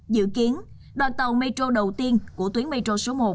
dự kiến đoàn tàu metro đầu tiên của tuyến metro số một